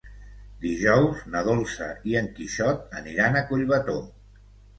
Dijous na Dolça i en Quixot aniran a Collbató.